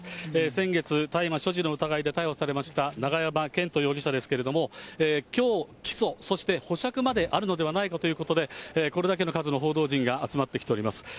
先月、大麻所持の疑いで逮捕されました永山絢斗容疑者ですけれども、きょう起訴、そして保釈まであるのではないかということで、これだけの数の報道陣が集まってきております。